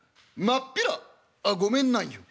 真っ平あごめんなんよ。